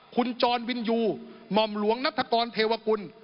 คุณจรวินยูหม่อมหลวงนัฐกรเทวกุล